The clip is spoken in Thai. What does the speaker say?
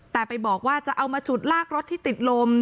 แต่ไปบอกว่าจะเอามาฉุดลากรถที่ติดลม